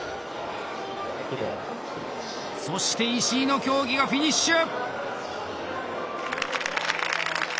そして石井の競技がフィニッシュ！